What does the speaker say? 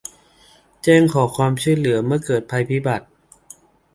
แจ้งขอความช่วยเหลือเมื่อเกิดภัยพิบัติ